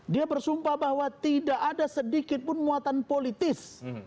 dia bersumpah bahwa tidak ada sedikitpun muatan politis